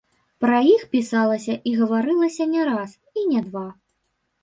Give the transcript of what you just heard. Пра іх пісалася і гаварылася не раз і не два.